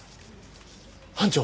班長。